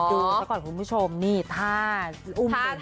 ดูก่อนคุณผู้ชมนี่ท่าอุ้มอย่างนี้